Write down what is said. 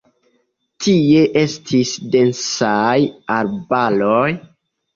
Tie estis densaj arbaroj.